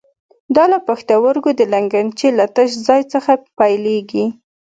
دا له پښتورګو د لګنچې له تش ځای څخه پیلېږي.